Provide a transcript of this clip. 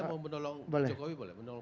saya mau menolong jokowi boleh